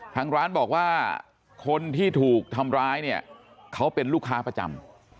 ทางร้านบอกว่าคนที่ถูกทำร้ายเนี่ยเขาเป็นลูกค้าประจำ